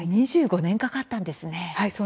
２５年かかったんですね。